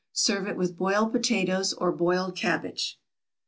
Serve it with boiled potatoes, or boiled cabbage.